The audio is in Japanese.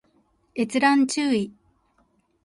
閲覧注意